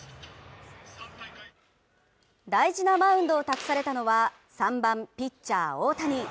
大事なマウンドを託されたのは３番、ピッチャー大谷。